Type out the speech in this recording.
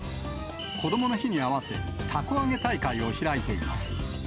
こどもの日に合わせ、たこ揚げ大会を開いています。